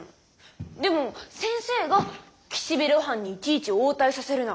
でも先生が「岸辺露伴にいちいち応対させるな。